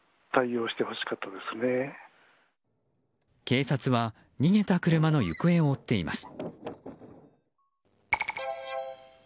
警察は逃げた車の行方を追っています。